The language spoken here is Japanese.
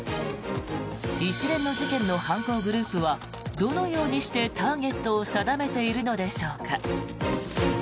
一連の事件の犯行グループはどのようにしてターゲットを定めているのでしょうか。